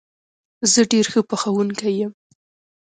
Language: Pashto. زه ډېر ښه پخوونکی یم